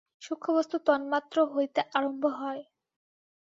সূক্ষ্মবস্তু তন্মাত্র হইতে আরম্ভ হয়।